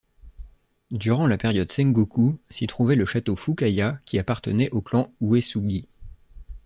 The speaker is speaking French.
Durant la période Sengoku, s'y trouvait le château Fukaya qui appartenait au clan Uesugi.